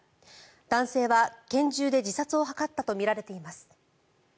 男性は拳銃で自殺を図ったとみられています。